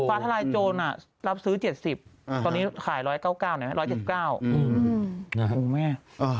ฟ้าทะลายโจรรับซื้อ๗๐ตอนนี้ขาย๑๙๙บาทหน่อยไหม๑๗๙บาท